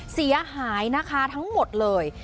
เสียหายนะคะทั้งหมดเลย